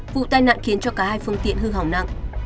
vụ tai nạn khiến cho cả hai phương tiện hư hỏng nặng